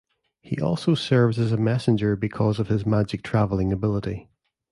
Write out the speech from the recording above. He also serves as a messenger because of his magic travelling ability.